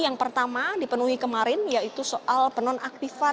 yang pertama dipenuhi kemarin yaitu soal penonaktifan